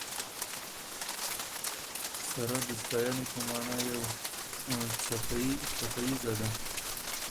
سره د ستاینې په مانا یو څپیزه ده.